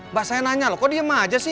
mbak saya nanya loh kok dia maja sih